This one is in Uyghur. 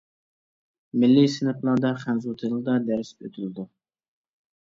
مىللىي سىنىپلاردا خەنزۇ تىلىدا دەرس ئۆتۈلىدۇ.